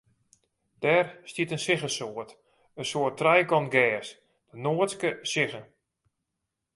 Dêr stiet in siggesoart, in soart trijekant gers, de noardske sigge.